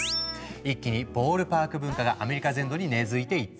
一気にボールパーク文化がアメリカ全土に根づいていった。